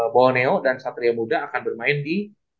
bawoneo dan satria muda akan bermain di